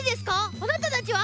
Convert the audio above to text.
あなたたちは！？